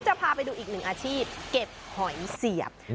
จะพาไปดูอีกหนึ่งอาชีพเก็บหอยเสียบ